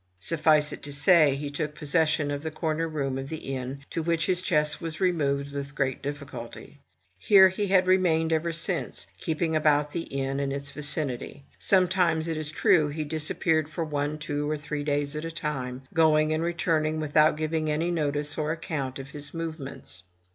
Suffice it to say, he took possession of a corner room of the inn, to which his chest was removed with great difficulty. Here he had re mained ever since, keeping about the inn and its vicinity. Some times, it is true, he disappeared for one, two, or three days at a time, going and returning without giving any notice or account of his movements.